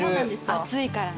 暑いからね。